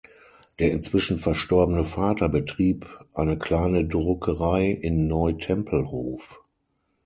Der inzwischen verstorbene Vater betrieb eine kleine Druckerei in Neu-Tempelhof.